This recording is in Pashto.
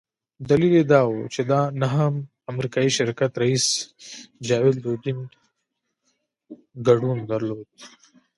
دلیل یې دا وو چې د انهم امریکایي شرکت رییس جاوید لودین ګډون درلود.